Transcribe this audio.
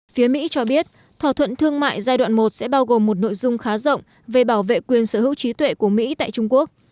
phía mỹ cho biết thỏa thuận thương mại giai đoạn một sẽ bao gồm một nội dung khá rộng về bảo vệ quyền sở hữu trí tuệ của mỹ tại trung quốc